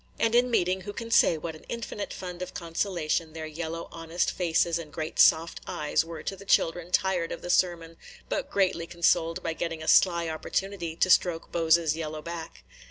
And in meeting, who can say what an infinite fund of consolation their yellow, honest faces and great soft eyes were to the children tired of the sermon, but greatly consoled by getting a sly opportunity to stroke Bose's yellow back?